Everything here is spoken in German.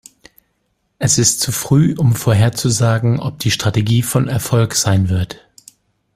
Es ist zu früh, um vorherzusagen, ob die Strategie von Erfolg sein wird.